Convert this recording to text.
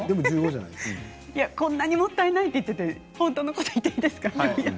こんなにもったいないと言っていて本当のことを言っていいですか？